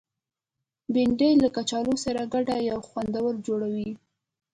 بېنډۍ له کچالو سره ګډه یو خوند جوړوي